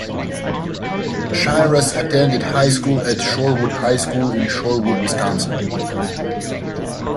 Shiras attended high school at Shorewood High School in Shorewood, Wisconsin.